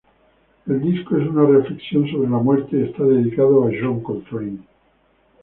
El disco es una reflexión sobre la muerte y está dedicado a John Coltrane.